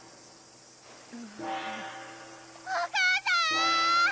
・お母さん！